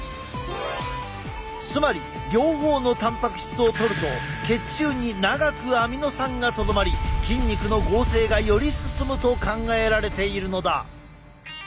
つまり両方のたんぱく質をとると血中に長くアミノ酸がとどまり筋肉の合成がより進むと考えられているのだ。